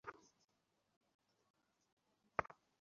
আর সেটা আমার মনের ভেতর দাগ কেটে যাচ্ছে।